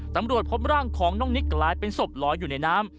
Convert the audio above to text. ตำรวจพบร่างของน้องนิกกลายเป็นศพลอยอยู่ในน้ำ